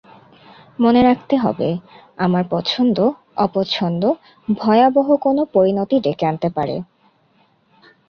মনে রাখতে হবে, আমার পছন্দ-অপছন্দ ভয়াবহ কোনো পরিণতি ডেকে আনতে পারে।